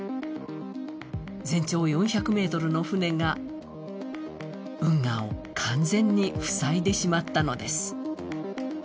全長４００ｍの船が運河を完全に塞いでしまったのです。